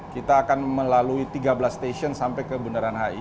kita akan melalui tiga belas stasiun sampai ke bundaran hi